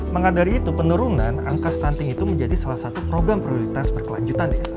sasaran prioritas penurunan stunting itu menjadi salah satu program prioritas berkelanjutan